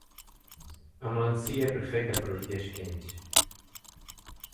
A melancia é perfeita para os dias quentes.